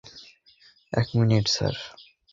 এক minute, sir!